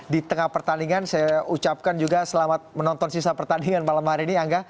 di tengah pertandingan saya ucapkan juga selamat menonton sisa pertandingan malam hari ini angga